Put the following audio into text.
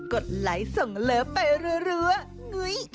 กดไลค์ส่งเลิฟไปเรื่อย